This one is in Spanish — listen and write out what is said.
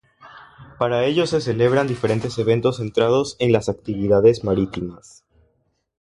Para ello se celebran diferentes eventos centrados en las actividades marítimas.